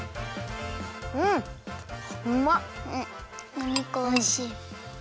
お肉おいしい。